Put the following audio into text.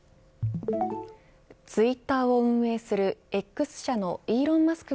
ツイッターを運営するＸ社のイーロン・マスク